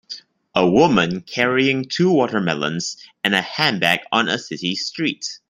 A woman carrying two watermelons and a handbag on a city street.